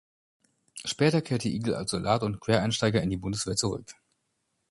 Später kehrte Igel als Soldat und Quereinsteiger in die Bundeswehr zurück.